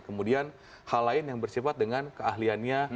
kemudian hal lain yang bersifat dengan keahliannya